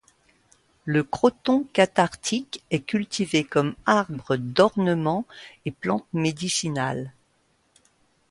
Le Croton cathartique est cultivé comme arbre d'ornement et plante médicinale.